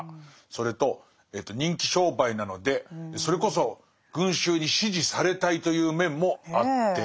それと人気商売なのでそれこそ群衆に支持されたいという面もあって。